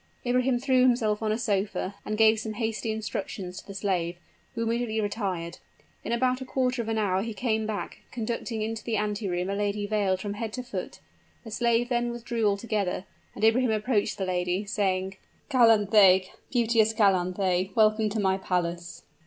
Ibrahim threw himself on a sofa, and gave some hasty instructions to the slave, who immediately retired. In about a quarter of an hour he came back, conducting into the anteroom a lady veiled from head to foot. The slave then withdrew altogether; and Ibrahim approached the lady, saying, "Calanthe beauteous Calanthe! welcome to my palace."